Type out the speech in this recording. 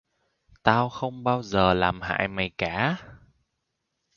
tao không bao giờ làm hại mày cả